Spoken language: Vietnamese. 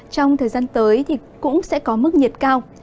trong thời gian tới thì cũng sẽ có mức nhiệt cao